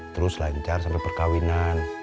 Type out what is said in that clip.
terus lancar sampe perkawinan